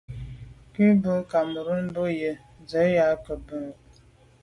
Cúp bú Cameroun mbə̄ bú yə́ jú zə̄ à' rə̂ ká mə́ cúp.